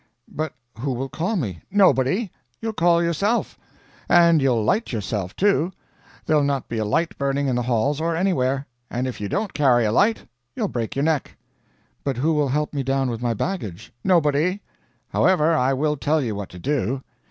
"But who will call me?" "Nobody. You'll call yourself. And you'll light yourself, too. There'll not be a light burning in the halls or anywhere. And if you don't carry a light, you'll break your neck." "But who will help me down with my baggage?" "Nobody. However, I will tell you what to do.